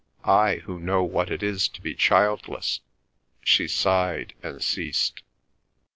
I, who know what it is to be childless—" she sighed and ceased.